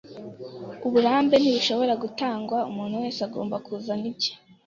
Uburambe ntibushobora gutangwa - umuntu wese agomba kuzana ibye.